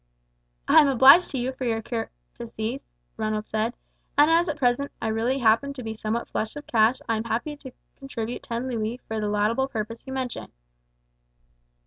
"I am obliged to you for your courtesy," Ronald said; "and as at present I really happen to be somewhat flush of cash I am happy to contribute ten louis for the laudable purpose you mention."